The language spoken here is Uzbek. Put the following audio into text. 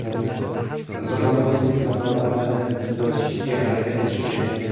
Inson, avvalo, o‘zining xatolarini tuzatishga harakat qilishi kerak.